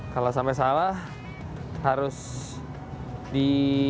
kalau sampai salah harus di